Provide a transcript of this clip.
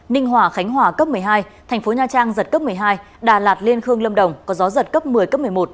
ninh hòa khánh hòa cấp một mươi hai thành phố nha trang giật cấp một mươi hai đà lạt liên khương lâm đồng có gió giật cấp một mươi cấp một mươi một